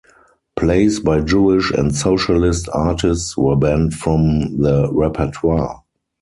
Plays by Jewish and socialist artists were banned from the repertoire.